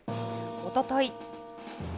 おととい。